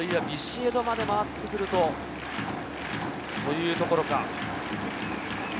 ビシエドまで回ってくるとというところか。